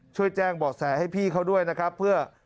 ช่วยแจ้งเบาะแสให้พี่เขาด้วยนะครับเพื่อ